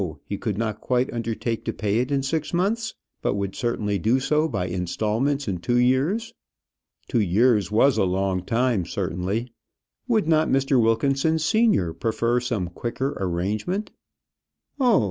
he could not quite undertake to pay it in six months, but would certainly do so by instalments in two years. Two years was a long time, certainly; would not Mr. Wilkinson senior prefer some quicker arrangement? Oh!